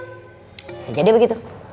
bisa jadi begitu